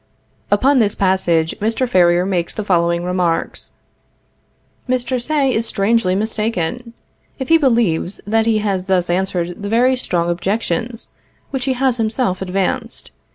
Upon this passage Mr. Ferrier makes the following remarks: "Mr. Say is strangely mistaken, if he believes that he has thus answered the very strong objections which he has himself advanced.